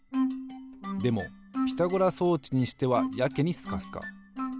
でもピタゴラ装置にしてはやけにスカスカ。